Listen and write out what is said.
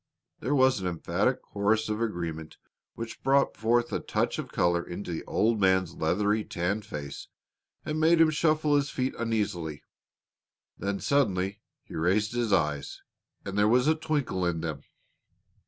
There was an emphatic chorus of agreement which brought a touch of color into the old man's leathery, tanned face and made him shuffle his feet uneasily. Then suddenly he raised his eyes and there was a twinkle in them.